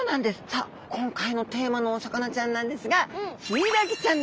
さあ今回のテーマのお魚ちゃんなんですがヒイラギちゃん！？